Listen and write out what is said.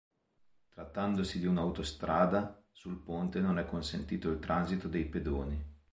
Trattandosi di una autostrada, sul ponte non è consentito il transito del pedoni.